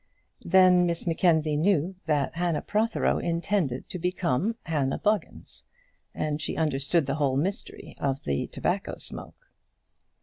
Then Miss Mackenzie knew that Hannah Protheroe intended to become Hannah Buggins, and she understood the whole mystery of the tobacco smoke.